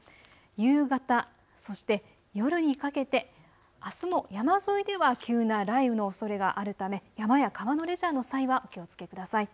夕方、そして夜にかけてあすも山沿いでは急な雷雨のおそれがあるため山や川のレジャーの際はお気をつけください。